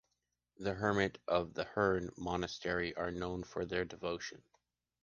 The hermits of the Herne monastery are known for their devotion.